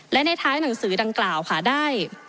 และในท้ายหนังสือดังกล่าวค่ะได้